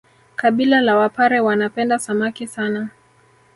Kabila la wapare wanapenda Samaki sana